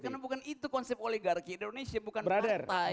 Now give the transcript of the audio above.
karena bukan itu konsep oligarki indonesia bukan partai